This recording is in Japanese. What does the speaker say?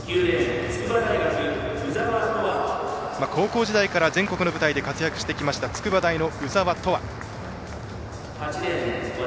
高校時代から全国の舞台で活躍してきました筑波大の鵜澤飛羽。